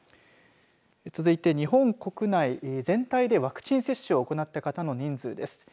続いて日本国内全体でワクチン接種を行った方の人数です。